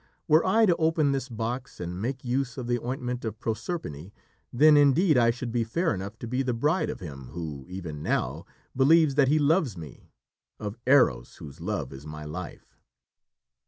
Were I to open this box and make use of the ointment of Proserpine, then indeed I should be fair enough to be the bride of him who, even now, believes that he loves me of Eros whose love is my life!"